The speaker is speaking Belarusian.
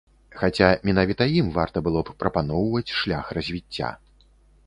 Хаця менавіта ім варта было б прапаноўваць шлях развіцця.